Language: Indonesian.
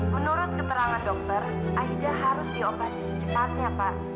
menurut keterangan dokter aida harus dioperasi secepatnya pak